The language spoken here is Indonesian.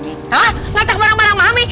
hah ngacak barang barang mami